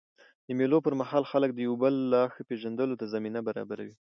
د مېلو پر مهال خلک د یو بل لا ښه پېژندلو ته زمینه برابروي.